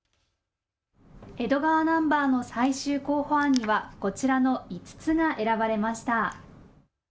江戸川ナンバーの最終候補案にはこちらの５つが選ばれました。